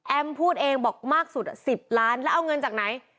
พูดเองบอกมากสุด๑๐ล้านแล้วเอาเงินจากไหน